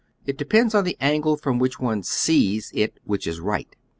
It depends on the angle from which one sees it which is right.